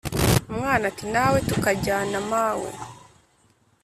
Umwana ati"nawe tukajyana mawe?"